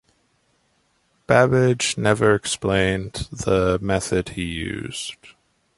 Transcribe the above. Babbage never explained the method he used.